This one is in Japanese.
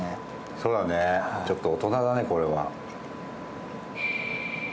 そうだね、ちょっと大人だねこれは。